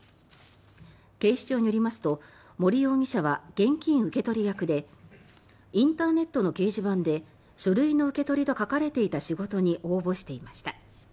警視庁によりますと森容疑者は現金受け取り役でインターネットの掲示板で「書類の受け取り」と書かれていた仕事に応募していました。